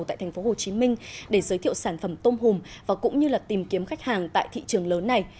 tại tp hcm để giới thiệu sản phẩm tôm hùm và cũng như tìm kiếm khách hàng tại thị trường lớn này